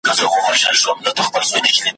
چي حتی د یوې کلمې ,